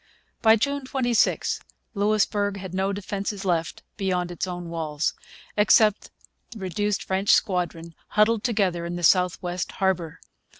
By June 26 Louisbourg had no defences left beyond its own walls, except the reduced French squadron huddled together in the south west harbour.